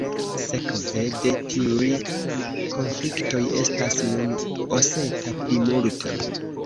Sekve de tiuj konfliktoj estas nun oseta plimulto.